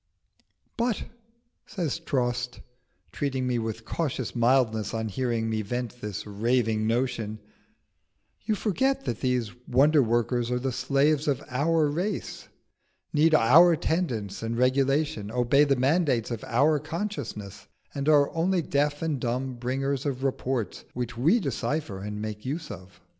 "But," says Trost, treating me with cautious mildness on hearing me vent this raving notion, "you forget that these wonder workers are the slaves of our race, need our tendance and regulation, obey the mandates of our consciousness, and are only deaf and dumb bringers of reports which we decipher and make use of.